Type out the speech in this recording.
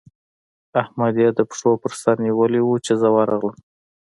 احمد يې د پښو پر سره نيولی وو؛ چې زه ورغلم.